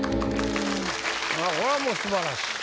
これはもうすばらしい。